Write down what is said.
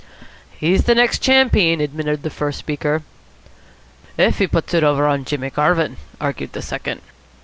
"He's the next champeen," admitted the first speaker. "If he puts it over Jimmy Garvin," argued the second.